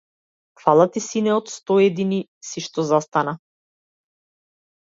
Фала ти, сине, од сто едини си што застана.